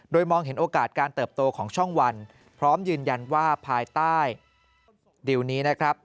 โดยมองเห็นโอกาสการเติบโตของช่องวันพร้อมยืนยันว่าภายใต้ดิวนี้นะครับ